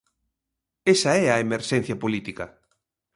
Esa é a emerxencia política.